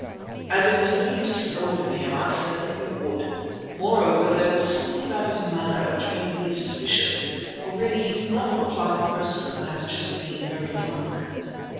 As it was no use scolding him I said that we would. Moreover, there was something about his manner which made me suspicious, for really he did not look like a person who has just been very drunk.